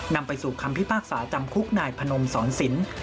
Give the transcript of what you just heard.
นำไปสู่คำพิพากษาจำคุกนายพนมสอนศิลป์